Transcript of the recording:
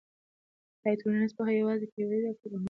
آیا ټولنپوهنه یوازې تیوري ده که عملي ګټه هم لري.